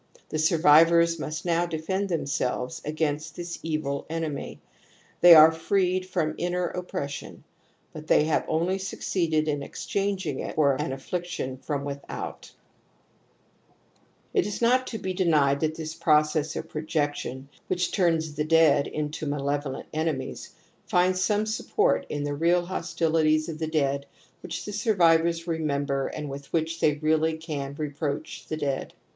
The survivors must now defend themselves against this evil enemy ; they are freed from inner oppression, but they have only succeeded in exchanging it for an affliction from without. THE AMBIVALENCE OF EMOTIONS 107 It is not to be denied that this process of pro jection, which turns the dead into malevolent enemies, finds some support in the real hostilities of the dead which the survivors remember and with which they really can reproach the dead.